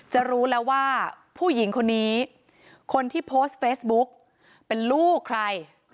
จะรู้แล้วว่าผู้หญิงคนนี้คนที่โพสต์เฟซบุ๊กเป็นลูกใคร